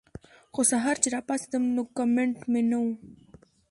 خو سحر چې راپاسېدم نو کمنټ مې نۀ وۀ